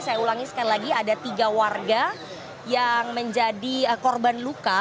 saya ulangi sekali lagi ada tiga warga yang menjadi korban luka